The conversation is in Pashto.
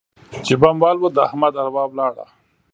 چې بم والوت؛ د احمد اروا ولاړه.